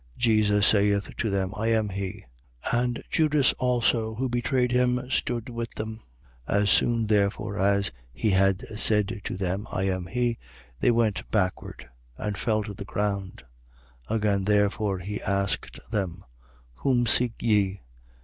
Jesus saith to them: I am he. And Judas also, who betrayed him, stood with them. 18:6. As soon therefore as he had said to them: I am he; they went backward and fell to the ground. 18:7. Again therefore he asked them: Whom seek ye?